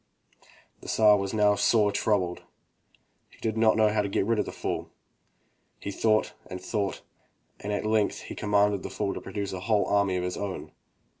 The Tsar was now sore troubled. He did not know how to get rid of the fool. He thought and thought, and at length he commanded the fool to produce a whole army of his own.